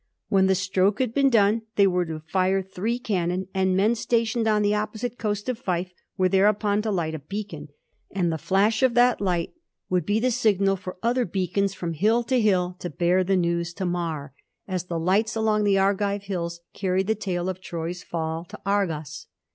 When the stroke had been done, they were to fire three cannon, and men stationed on the opposite coast of Fife were thereupon to light a beacon ; and the flash of that light would be the Digiti zed by Google 1715 'HEBE'S A HEALTH TO KING JAMES.' 171 signal for other beacons from hiU to hill to bear the news to Mar ; as the lights along the Argive hills carried the tale of Troy's Ml to Argos.